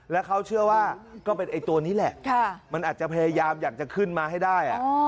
แล้วเขาเชื่อว่าก็เป็นไอ้ตัวนี้แหละมันอาจจะพยายามอยากจะขึ้นมาให้ได้